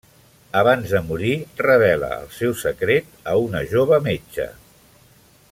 Abans de morir, revela el seu secret a una jove metge.